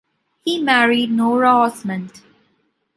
He married Nora Osmond.